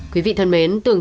quý vị thân mến